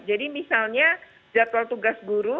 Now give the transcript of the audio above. jadi misalnya jadwal tugas guru